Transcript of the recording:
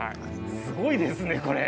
すごいですね、これ。